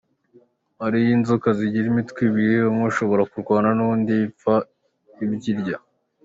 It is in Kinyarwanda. Hariho inzoka zigira imitwe ibiri, umwe ushobora kurwana n’undi ipfa ibyo irya.